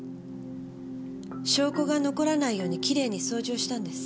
証拠が残らないようにきれいに掃除をしたんです。